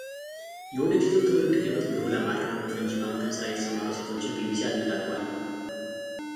የወደፊቱን ትውልድ ሕይወት ብሩህ ለማድረግ በፈንጂ ማምከን ሥራ የተሰማሩ ሴቶችን ቢቢሲ አነጋግሯል።